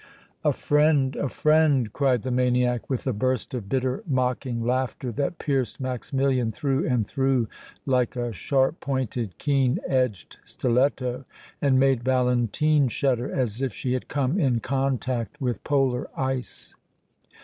"A friend! a friend!" cried the maniac, with a burst of bitter, mocking laughter that pierced Maximilian through and through like a sharp pointed, keen edged stiletto and made Valentine shudder as if she had come in contact with polar ice.